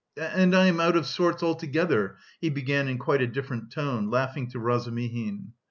And I am out of sorts altogether," he began in quite a different tone, laughing to Razumihin.